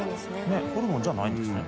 ねぇホルモンじゃないんですね